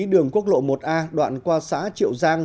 đường quốc lộ một a đoạn qua xã triệu giang